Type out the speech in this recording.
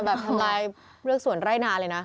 แบบทำไมเลือกส่วนไร่นานเลยนะ